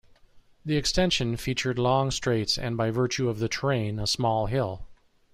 The extension featured long straights and by virtue of the terrain, a small hill.